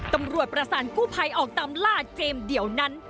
ตำรวจประสานกู้ภัยออกตามล่าเกมเดียวนั้น